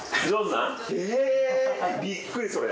びっくりそれ。